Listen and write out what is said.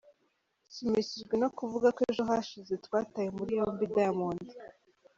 Nshimishijwe no kuvuga ko ejo hashize twataye muri yombi Diamond”.